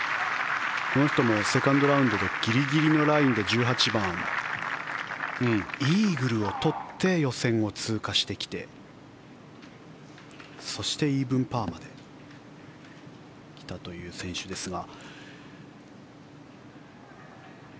この人もセカンドラウンドでギリギリのラインで１８番、イーグルを取って予選を通過してきてそして、イーブンパーまで来たという選手ですが。